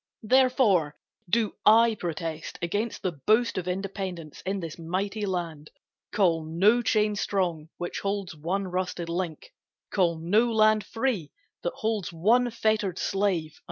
Therefore do I protest against the boast Of independence in this mighty land. Call no chain strong which holds one rusted link, Call no land free that holds one fettered slave.